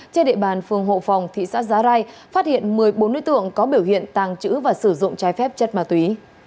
trên địa bàn phường hộ phòng thị xã giá rai phát hiện một mươi bốn đối tượng có biểu hiện tàng trữ và sử dụng trái phép chất ma túy